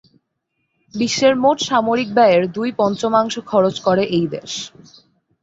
বিশ্বের মোট সামরিক ব্যয়ের দুই-পঞ্চমাংশ খরচ করে এই দেশ।